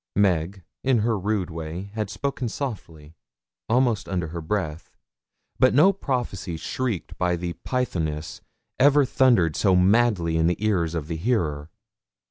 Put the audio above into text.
Meg, in her rude way, had spoken softly almost under her breath; but no prophecy shrieked by the Pythoness ever thundered so madly in the ears of the hearer.